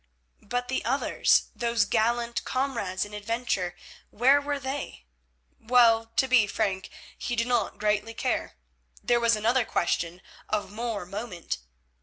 But the others! Those gallant comrades in adventure, where were they? Well, to be frank, he did not greatly care. There was another question of more moment.